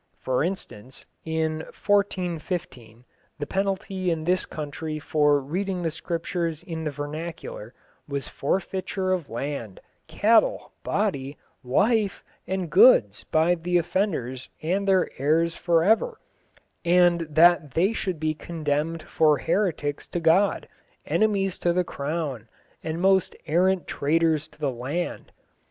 For instance, in 1415 the penalty in this country for reading the Scriptures in the vernacular was forfeiture of land, cattle, body, life, and goods by the offenders and their heirs for ever, and that they should be condemned for heretics to God, enemies to the Crown, and most errant traitors to the land.